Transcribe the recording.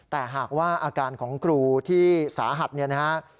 แต่หากว่าอาการของครูที่สาหัสเนี่ยนะฮะ